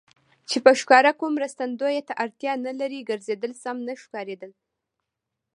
چې په ښکاره کوم مرستندویه ته اړتیا نه لري، ګرځېدل سم نه ښکارېدل.